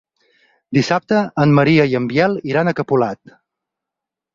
Dissabte en Maria i en Biel iran a Capolat.